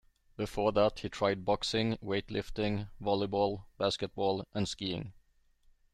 Before that he tried boxing, weightlifting, volleyball, basketball and skiing.